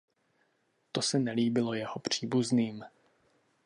To se nelíbilo jeho příbuzným.